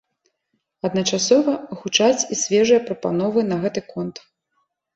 Адначасова гучаць і свежыя прапановы на гэты конт.